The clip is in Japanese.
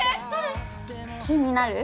気になる？